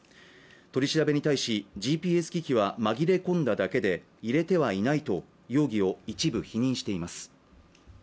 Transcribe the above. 取り調べに対しＧＰＳ機器は紛れ込んだだけで入れてはいないと容疑を一部否認しています